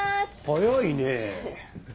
早いねぇ。